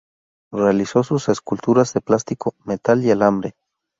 Realizó sus esculturas de plástico, metal y alambre.